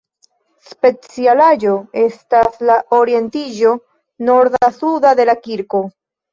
Specialaĵo estas la orientiĝo norda-suda de la kirko.